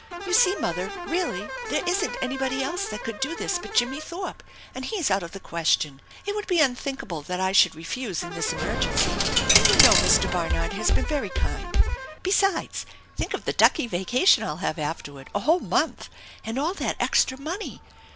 You see, mother, realty, there isn't anybody else that could do this but Jimmie Thorpe, and he's out of the question. It would be unthinkable that I should refuse in this emergency. And you know Mr. Barnard haft THE ENCHANTED BARN 241 been very kind. Besides, think of the ducky vacation I'll have afterward, a whole month ! And all that extra money